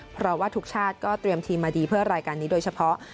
เพราะว่าทุกชาติก็เตรียมทีมมาดีเพื่อรายการนี้โดยเฉพาะ